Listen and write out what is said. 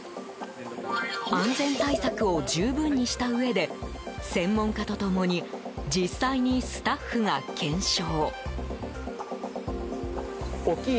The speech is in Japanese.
安全対策を十分にしたうえで専門家と共に実際にスタッフが検証。